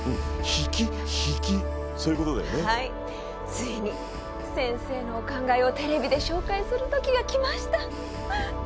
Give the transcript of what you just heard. ついに先生のお考えをテレビで紹介する時がきました！